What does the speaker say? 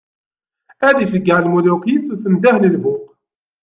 Ad iceggeɛ lmuluk-is s undah n lbuq.